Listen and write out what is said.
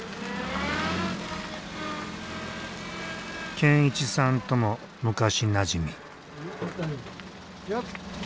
健一さんとも昔なじみ。